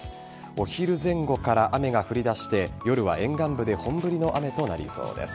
お昼前後から雨が降り出して夜は沿岸部で本降りの雨となりそうです。